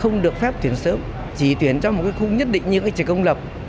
không được phép tuyển sớm chỉ tuyển cho một khung nhất định như trường công lập